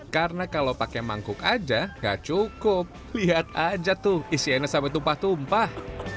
karena kalau pakai mangkuk aja gak cukup lihat aja tuh isinya sampai tumpah tumpah